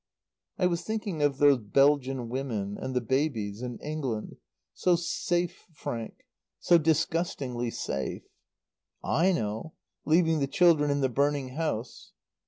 "I was thinking of those Belgian women, and the babies and England; so safe, Frank; so disgustingly safe." "I know. Leaving the children in the burning house?"